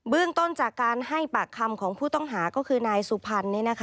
เรื่องต้นจากการให้ปากคำของผู้ต้องหาก็คือนายสุพรรณ